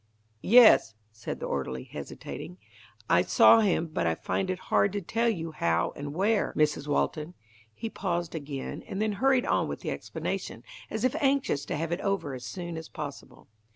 "Yes," said the orderly, hesitating. "I saw him, but I find it hard to tell you how and where, Mrs. Walton." He paused again, and then hurried on with the explanation, as if anxious to have it over as soon as possible.